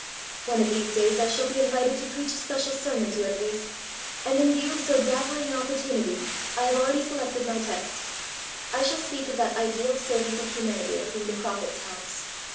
One of these days I shall be invited to preach a special sermon to editors, and, in view of so dazzling an opportunity, I have already selected my text. I shall speak of that Ideal Servant of Humanity of whom the prophet tells.